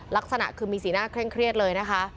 ลักษณะคือมีสีหน้าเคร่งเครียดเลยนะคะ